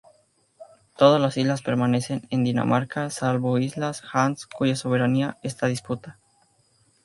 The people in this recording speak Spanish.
Todas las islas pertenecen a Dinamarca, salvo isla Hans, cuya soberanía está en disputa.